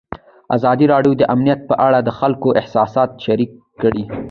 ازادي راډیو د امنیت په اړه د خلکو احساسات شریک کړي.